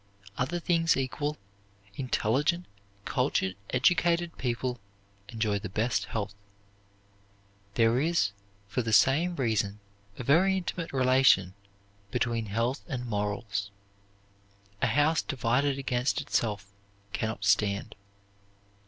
Other things equal, intelligent, cultured, educated people enjoy the best health. There is for the same reason a very intimate relation between health and morals. A house divided against itself can not stand.